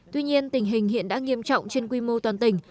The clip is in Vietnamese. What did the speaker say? tuy nhiên tình hình hiện đã nghiêm trọng trên quy mô toàn tỉnh